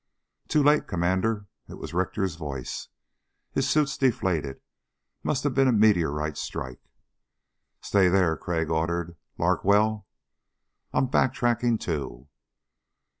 "Too late, Commander." It was Richter's voice. "His suit's deflated. Must have been a meteorite strike." "Stay there," Crag ordered. "Larkwell...?" "I'm backtracking too...."